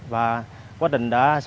và quá trình đã